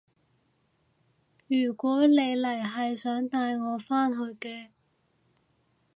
如果你嚟係想帶我返去嘅